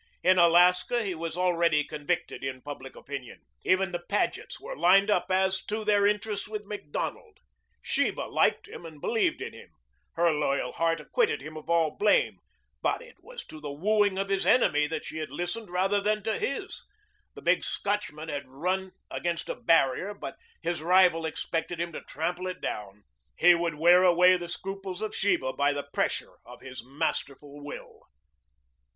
In Alaska he was already convicted by public opinion. Even the Pagets were lined up as to their interests with Macdonald. Sheba liked him and believed in him. Her loyal heart acquitted him of all blame. But it was to the wooing of his enemy that she had listened rather than to his. The big Scotchman had run against a barrier, but his rival expected him to trample it down. He would wear away the scruples of Sheba by the pressure of his masterful will.